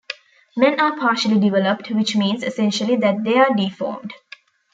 Men are partially developed which means essentially that they are deformed.